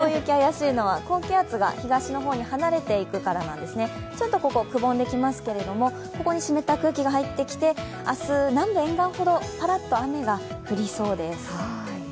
雲行き怪しいのは高気圧が東の方に離れていくからなんですね、ちょっとここ、くぼんできますけれども、ここに湿った空気が入ってきて、明日、南部沿岸ほどぱらっと雨が降りそうです。